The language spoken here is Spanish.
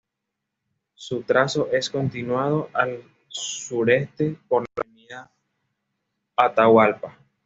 Su trazo es continuado al sureste por la avenida Atahualpa.